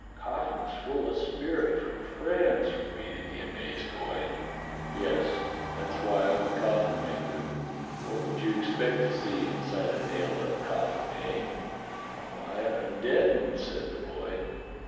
"Coffins full of spirit from France?" repeated the amazed boy. 170 DOCTOR SYN "Yes, that's why I'm a coffin maker. What would you expect to see inside a nailed up coffin, eh? "'* Why, a dead 'un," said the boy.